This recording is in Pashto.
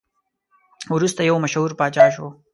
وروسته یو مشهور پاچا شو.